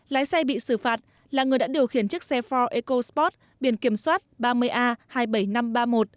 lái xe bị xử phạt là người đã điều khiển chiếc xe for ecosport biển kiểm soát ba mươi a hai mươi bảy nghìn năm trăm ba mươi một